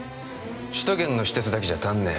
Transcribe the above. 首都圏の私鉄だけじゃ足んねえ